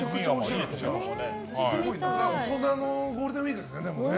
大人のゴールデンウィークですね。